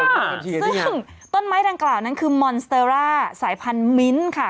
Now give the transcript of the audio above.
ซึ่งต้นไม้ดังกล่าวนั้นคือมอนสเตอร่าสายพันธมิ้นค่ะ